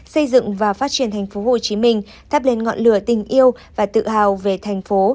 xây dựng và phát triển thành phố hồ chí minh thắp lên ngọn lửa tình yêu và tự hào về thành phố